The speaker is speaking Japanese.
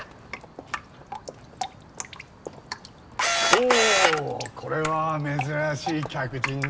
おこれは珍しい客人だ。